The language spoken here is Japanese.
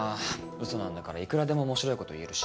ウソなんだからいくらでも面白いこと言えるし。